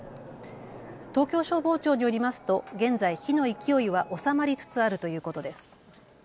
東京消防庁によりますと現在、火の勢いは収まりつつあるということです。